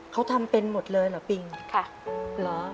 เขาทำเป็นหมดเลยเหรอปิงค่ะเหรอ